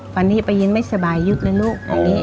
ตอนนี้พะยินร์ไม่สบายหยุดด้วยบ้าง